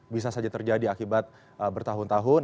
bisa saja terjadi akibat bertahun tahun